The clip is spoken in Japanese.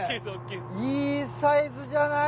いいサイズじゃない？